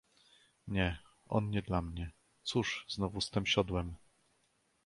"Nie, on nie dla mnie... Cóż znowu z tem siodłem!"